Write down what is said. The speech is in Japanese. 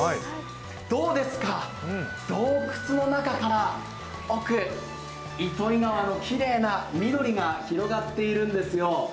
どうですか、洞窟の中から奥、糸魚川のきれいな緑が広がっているんですよ。